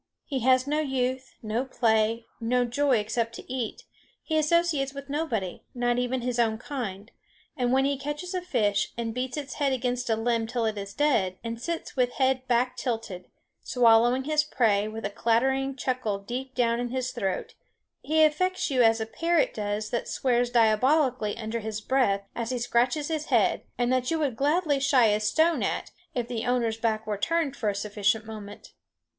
He has no youth, no play, no joy except to eat; he associates with nobody, not even with his own kind; and when he catches a fish, and beats its head against a limb till it is dead, and sits with head back tilted, swallowing his prey, with a clattering chuckle deep down in his throat, he affects you as a parrot does that swears diabolically under his breath as he scratches his head, and that you would gladly shy a stone at, if the owner's back were turned for a sufficient moment.